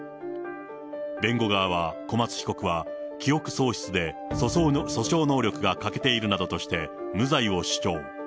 弁護側は、小松被告は記憶喪失で訴訟能力が欠けているなどとして、無罪を主張。